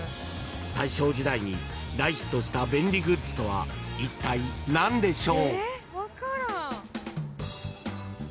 ［大正時代に大ヒットした便利グッズとはいったい何でしょう？］